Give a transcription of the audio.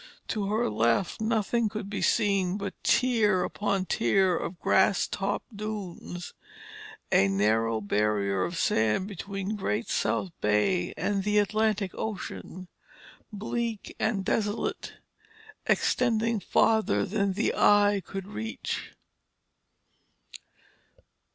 To her left nothing could be seen but tier after tier of grass topped dunes, a narrow barrier of sand between Great South Bay and the Atlantic Ocean, bleak and desolate, extending farther than the eye could reach.